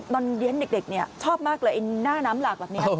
ตอนเรียนเด็กชอบมากเลยไอ้หน้าน้ำหลากแบบนี้